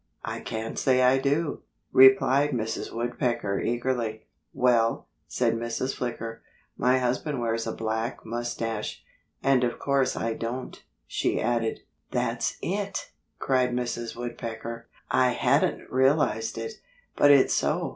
I can't say I do," replied Mrs. Woodpecker eagerly. "Well," said Mrs. Flicker, "my husband wears a black mustache.... And of course I don't," she added. "That's it!" cried Mrs. Woodpecker. "I hadn't realized it. But it's so.